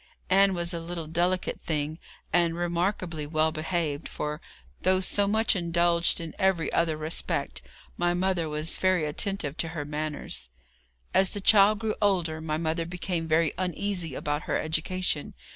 Ann was a little delicate thing, and remarkably well behaved, for, though so much indulged in every other respect, my mother was very attentive to her manners. As the child grew older my mother became very uneasy about her education.